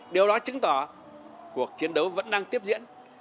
điều đó chứng tỏ cuộc chiến đấu vẫn đang tiếp diễn